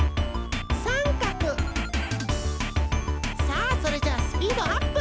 さあそれじゃあスピードアップ！